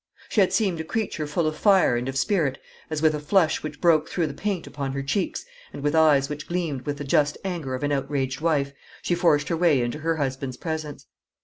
She had seemed a creature full of fire and of spirit as, with a flush which broke through the paint upon her cheeks, and with eyes which gleamed with the just anger of an outraged wife, she forced her way into her husband's presence.